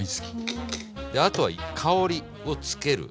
あとは香りをつける。